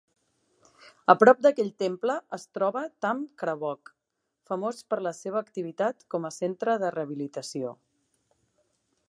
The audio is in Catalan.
A prop d'aquell temple es troba Tham Krabok, famós per la seva activitat com a centre de rehabilitació.